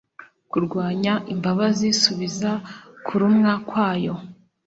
kurwanya imbabazi, subiza kurumwa kwayo